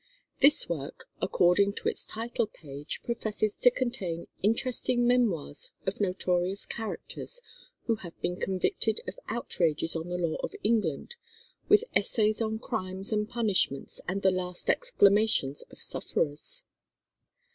This work, according to its title page, professes to contain "interesting memoirs of notorious characters who have been convicted of outrages on the law of England; with essays on crimes and punishments and the last exclamations of sufferers."